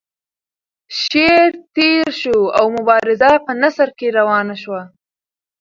شعر تیر شو او مبارزه په نثر کې روانه شوه.